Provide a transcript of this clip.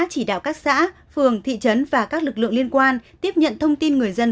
chỉ đạo các xã phường thị trấn và các lực lượng liên quan tiếp nhận thông tin người dân